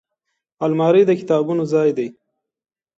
الماري د کتابونو ځای دی